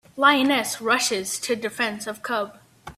Lioness Rushes to Defense of Cub.